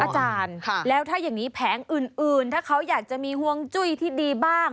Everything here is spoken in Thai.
อาจารย์แล้วถ้าอย่างนี้แผงอื่นถ้าเขาอยากจะมีห่วงจุ้ยที่ดีบ้าง